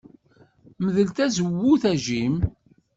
Mdel tazewwut a Jim.